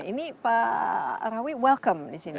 ini pak rawi welcome di sini